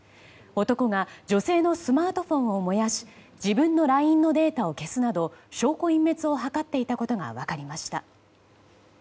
男が女性のスマートフォンを燃やし自分のＬＩＮＥのデータを消すなど証拠隠滅を図っていたことが分かりました。